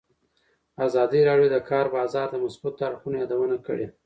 ازادي راډیو د د کار بازار د مثبتو اړخونو یادونه کړې.